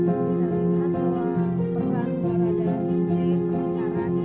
atau orang orang ada di sementara ini